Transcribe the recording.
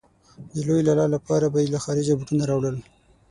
د لوی لالا لپاره به يې له خارجه بوټونه راوړل.